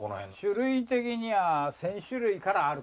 種類的には１，０００種類からあると。